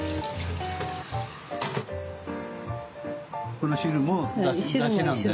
この汁もだしなんだよね。